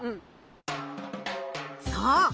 そう！